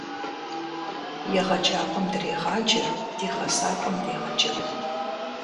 Егъэджакӏуэм дрегъаджэ, ди гъэсакӏуэм дегъэджэгу.